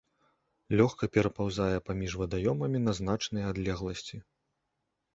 Лёгка перапаўзае паміж вадаёмамі на значныя адлегласці.